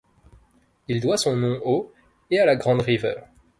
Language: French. Il doit son nom au et à la Grand River.